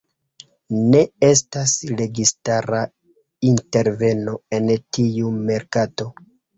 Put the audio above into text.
Ne estas registara interveno en tiu merkato.